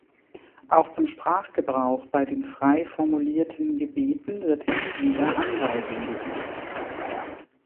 Auch zum Sprachgebrauch bei den frei formulierten Gebeten wird hin und wieder Anweisung gegeben.